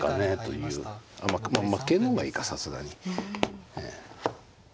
まあまあ桂の方がいいかさすがに。